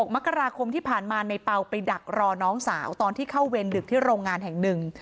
มกราคมที่ผ่านมาในเปล่าไปดักรอน้องสาวตอนที่เข้าเวรดึกที่โรงงานแห่งหนึ่ง